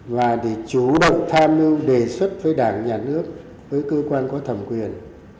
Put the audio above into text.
và để chủ động tham mưu đề xuất với đảng nhà nước với cơ quan có thẩm quyền